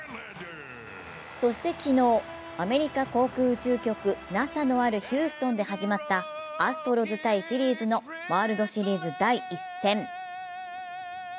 そして昨日、アメリカ航空宇宙局＝ＮＡＳＡのあるヒューストンで始まったアストロズ×フィリーズのワールドシリーズ第１戦。